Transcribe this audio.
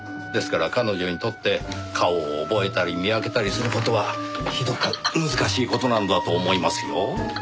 ですから彼女にとって顔を覚えたり見分けたりする事はひどく難しい事なんだと思いますよ。